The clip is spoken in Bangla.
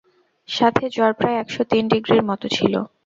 সাথে জ্বর প্রায় একশো তিন ডিগ্রির মত ছিলো।